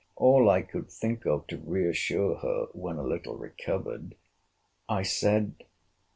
All I could think of to re assure her, when a little recovered, I said.